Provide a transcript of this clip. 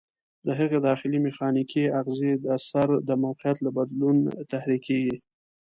د هغې داخلي میخانیکي آخذې د سر د موقعیت له بدلون تحریکېږي.